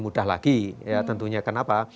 mudah lagi tentunya kenapa